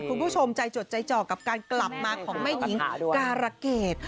คุณผู้ชมใจจดใจจ่อกับการกลับมาของแม่หญิงการะเกด